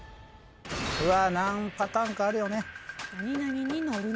うわー何パターンかあるよね。